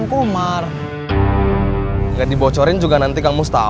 kamu juga pelin pelan